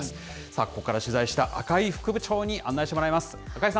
さあ、ここから取材した赤井副部長に案内してもらいます。